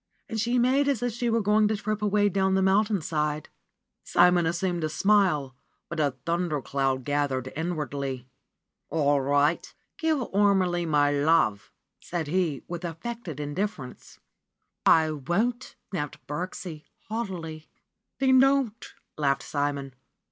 And she made as if she were going to trip away down the mountainside. Simon assumed a smile, but a thunder cloud gathered inwardly. RENUNCIATION OF FRA SIMONETTA 99 '^All right! Give Ormelie my love/' said he with affected indifference. 'T won't I" snapped Birksie haughtily. ^'Then don't!" laughed Simon.